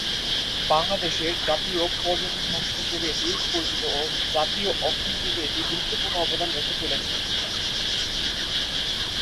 বাংলাদেশের জাতীয় পর্যটন সংস্থা হিসেবে এটি পরিচিত ও জাতীয় অর্থনীতিতে এটি গুরুত্বপূর্ণ অবদান রেখে চলেছে।